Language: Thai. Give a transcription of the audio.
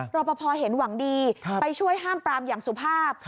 รอปภเห็นหวังดีไปช่วยห้ามปรามอย่างสุภาพ